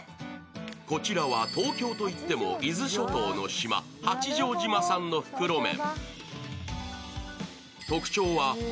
こちらは東京と言っても伊豆諸島の島、八丈島産の袋麺。